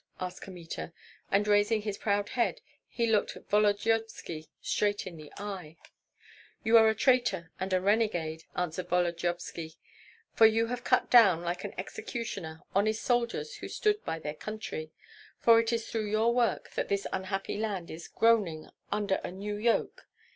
asked Kmita; and raising his proud head, he looked Volodyovski straight in the eyes. "You are a traitor and a renegade," answered Volodyovski, "for you have cut down, like an executioner, honest soldiers who stood by their country, for it is through your work that this unhappy land is groaning under a new yoke.